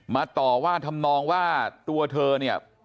ต่อว่าทำนองว่าตัวเธอเนี่ย